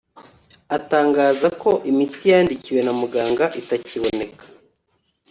atangaza ko imiti yandikiwe na muganga itakiboneka